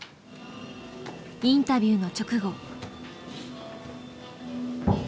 インタビューの直後。